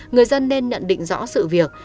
người dân nên nhận định rõ sự việc